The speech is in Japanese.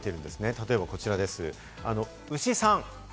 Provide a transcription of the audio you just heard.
例えばこちらです、牛さん。